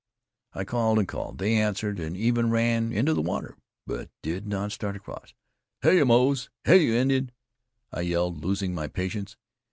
I called and called. They answered, and even ran into the water, but did not start across. "Hyah, Moze! hyah, you Indian!" I yelled, losing my patience.